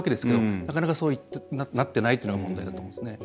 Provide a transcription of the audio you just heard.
なかなかそうなっていないというのが問題だと思いますね。